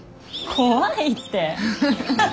怖いって。